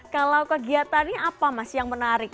kalau kegiatan ini apa mas yang menarik